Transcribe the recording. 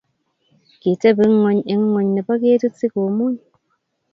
Kitepi ngony eng ngony nepo ketit sikomuny